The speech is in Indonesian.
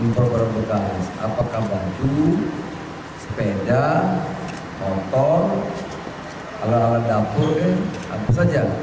impor barang bekas apakah baju sepeda motor alat alat dapur apa saja